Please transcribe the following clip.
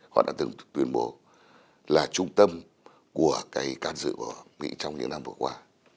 họ đã từng tuyên bố là trung tâm của cái can dự của mỹ trong những năm vừa qua